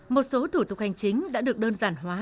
một số thủ tục hành chính đã được đơn giản hóa